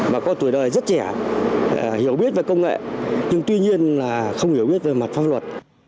và có tuổi đời rất trẻ hiểu biết về công nghệ nhưng tuy nhiên là không hiểu biết về mặt pháp luật